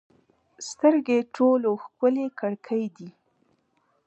سترګې ټولو ښکلې کړکۍ دي.